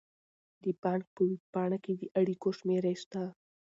د بانک په ویب پاڼه کې د اړیکو شمیرې شته.